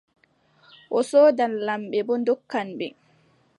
O soodan, lamɓe boo ndonkan ɓe.